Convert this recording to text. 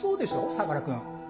相良君。